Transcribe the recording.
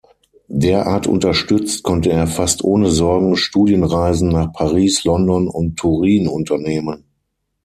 Derart unterstützt, konnte er fast ohne Sorgen Studienreisen nach Paris, London und Turin unternehmen.